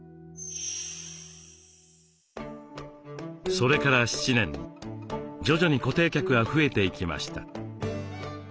それから７年徐々に固定客が増えていきました。